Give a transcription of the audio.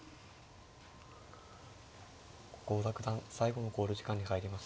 郷田九段最後の考慮時間に入りました。